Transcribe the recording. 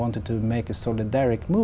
anh có kế hoạch